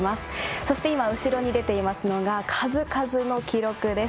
そして今、後ろに出ているのが数々の記録です。